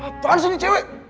apaan sih ini cewek